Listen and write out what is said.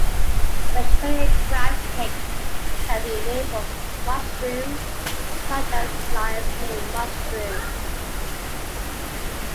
Vegetarian crab cakes can be made from mushrooms such as Lion's mane mushroom.